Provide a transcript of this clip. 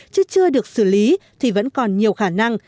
chứ chưa được xử lý thì vẫn còn nhiều khả năng